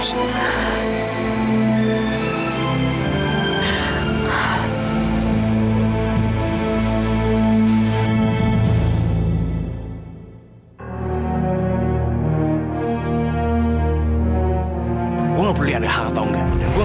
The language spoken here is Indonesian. siapapun yang sudahquickmotion oh